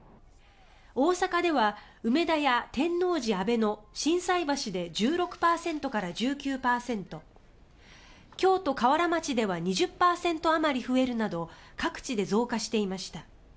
大阪では梅田や天王寺、阿倍野心斎橋で１６％から１９％京都・河原町では２０％あまり増えるなど各地で増加していました。